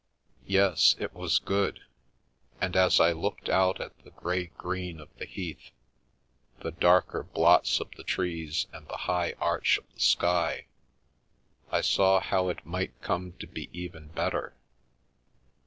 Yes, it was good, and as I looked out at the grey green of the Heath, the darker blots of the trees and the high arch of the sky, I saw how it might come to be even better.